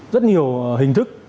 rất nhiều hình thức